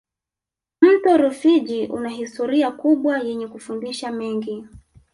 mto rufiji una historia kubwa yenye kufundisha mengi